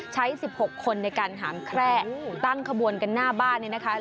๑๖คนในการหามแคร่ตั้งขบวนกันหน้าบ้านเนี่ยนะคะ